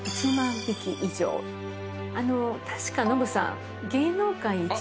確かノブさん。